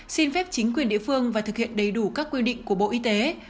xin phép chính quyền địa phương và thực hiện đầy đủ các quy định của bộ y tế